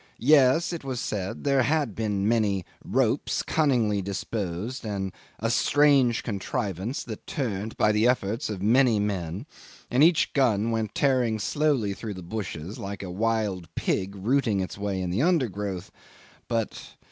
Yes, it was said, there had been many ropes cunningly disposed, and a strange contrivance that turned by the efforts of many men, and each gun went up tearing slowly through the bushes, like a wild pig rooting its way in the undergrowth, but